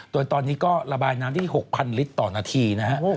โดยตอนนี้ก็ระบายน้ำที่๖๐๐ลิตรต่อนาทีนะฮะ